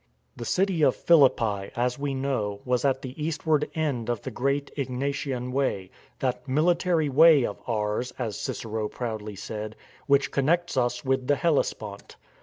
The city of Philippi, as we know, was at the eastward end of the great Egnatian Way, " that military way of ours," as Cicero proudly said, " which connects us with the Hellespont."